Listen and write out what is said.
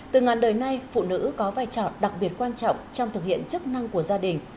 từ ngàn đời nay phụ nữ có vai trò đặc biệt quan trọng trong thực hiện chức năng của gia đình